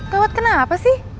gawat kenapa sih